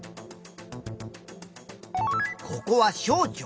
ここは小腸。